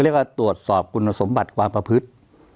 เรียกว่าตรวจสอบคุณสมบัติความประพฤติ